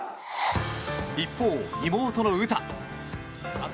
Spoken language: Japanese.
一方、妹の詩。